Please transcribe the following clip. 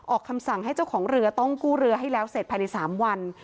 คำสั่งให้เจ้าของเรือต้องกู้เรือให้แล้วเสร็จภายใน๓วัน